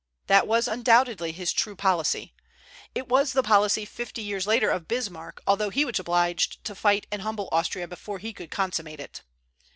That was undoubtedly his true policy. It was the policy fifty years later of Bismarck, although he was obliged to fight and humble Austria before he could consummate it.